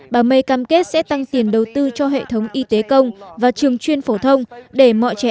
bà may cam kết sẽ tăng tiền đầu tư cho hệ thống y tế công và trường chuyên phổ thông để mọi trẻ